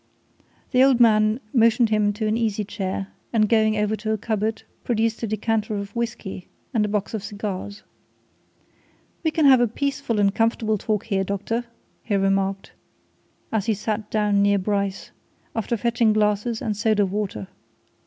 The old man motioned him to an easy chair, and going over to a cupboard, produced a decanter of whisky and a box of cigars. "We can have a peaceful and comfortable talk here, doctor," he remarked, as he sat down near Bryce, after fetching glasses and soda water.